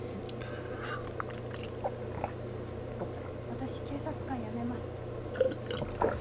私警察官辞めます。